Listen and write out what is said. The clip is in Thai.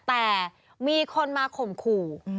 แต่มีคนมาข่มขู่